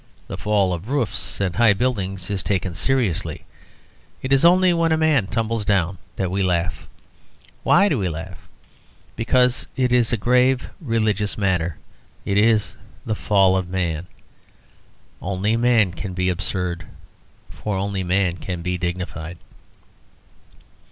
The fall of roofs and high buildings is taken seriously. It is only when a man tumbles down that we laugh. Why do we laugh? Because it is a grave religious matter: it is the Fall of Man. Only man can be absurd: for only man can be dignified.